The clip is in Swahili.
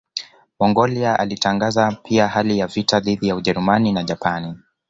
Mongolia yalitangaza pia hali ya vita dhidi ya Ujerumani na Japani